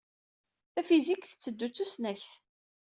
Tafizikt tetteddu ad tusnakt.